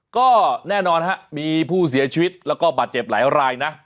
ก็แน่นอนฮะมีผู้เสียชีวิตแล้วก็บาดเจ็บหลายรายนะ